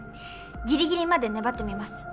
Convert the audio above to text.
ギリギリまで粘ってみます。